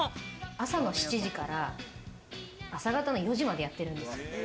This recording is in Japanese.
朝の７時から朝方の４時までやってるんですよ。